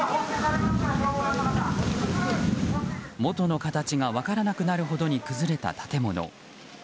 元の形が分からなくなるほどに崩れた建物。